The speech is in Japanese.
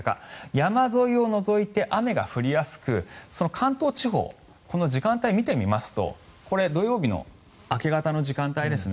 山沿いを除いて雨が降りやすくその関東地方、この時間帯を見てみますと土曜日の明け方の時間帯ですね。